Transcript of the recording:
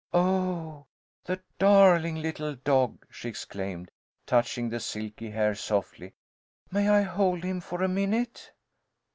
"Oh, the darling little dog!" she exclaimed, touching the silky hair softly. "May I hold him for a minute?"